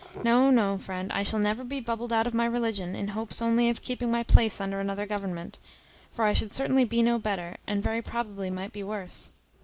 No, no, friend, I shall never be bubbled out of my religion in hopes only of keeping my place under another government; for I should certainly be no better, and very probably might be worse."